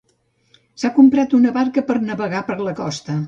S'ha comprat una barca per navegar per la costa.